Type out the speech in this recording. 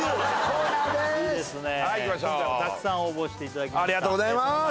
今回もたくさん応募していただきました